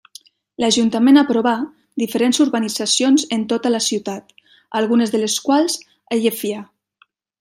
L'Ajuntament aprovà diferents urbanitzacions en tota la ciutat, algunes de les quals a Llefià.